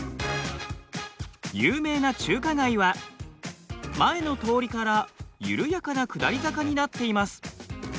有名な中華街は前の通りから緩やかな下り坂になっています。